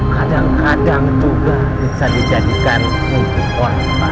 kadang kadang juga bisa dijadikan untuk korban